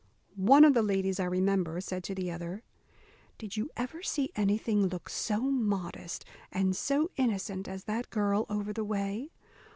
One of the ladies, I remember, said to the other "Did you ever see anything look so modest and so innocent as that girl over the way?